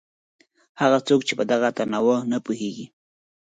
هغه څوک چې په دغه تنوع نه پوهېږي.